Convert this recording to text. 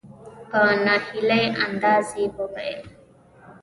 په نا هیلي انداز یې وویل .